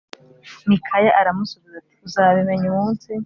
Mikaya Aramusubiza Ati Uzabimenya Umunsi